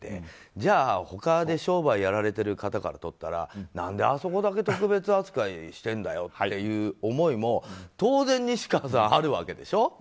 じゃあ他で商売やられてる方からとったら何で、あそこだけ特別扱いしてるんだよっていう思いも当然西川さん、あるわけでしょ。